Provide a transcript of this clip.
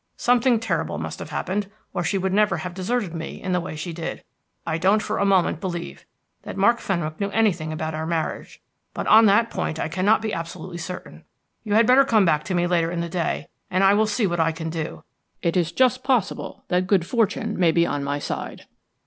Something terrible must have happened, or she would never have deserted me in the way she did. I don't for a moment believe that Mark Fenwick knew anything about our marriage, but on that point I cannot be absolutely certain. You had better come back to me later in the day, and I will see what I can do. It is just possible that good fortune may be on my side."